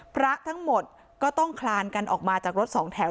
พระทั้งหมดก็ต้องคลานกันออกมาจากรถสองแถว